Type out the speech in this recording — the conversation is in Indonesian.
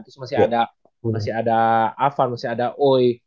terus masih ada afan masih ada oi